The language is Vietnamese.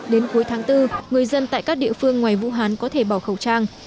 đến cuối tháng bốn người dân tại các địa phương ngoài vũ hán có thể bỏ khẩu trang